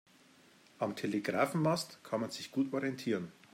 Am Telegrafenmast kann man sich gut orientieren.